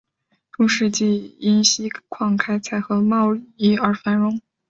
中世纪因锡矿开采和贸易而繁荣。